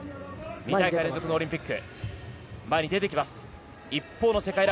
２大会連続のオリンピック。